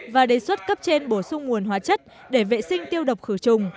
và đề xuất cấp trên bổ sung nguồn hóa chất để vệ sinh tiêu độc khử trùng